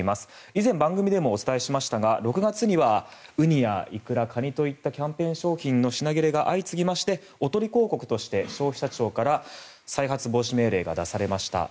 以前、番組でもお伝えしましたが６月にはウニやイクラ、カニといったキャンペーン商品の品切れが相次ぎましておとり広告として消費者庁から再発防止命令が出されました。